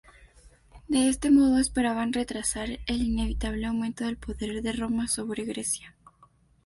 De este modo esperaban retrasar el inevitable aumento del poder de Roma sobre Grecia.